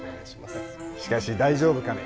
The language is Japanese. しかし大丈夫かね